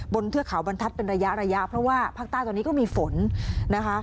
เทือกเขาบรรทัศน์เป็นระยะระยะเพราะว่าภาคใต้ตอนนี้ก็มีฝนนะคะ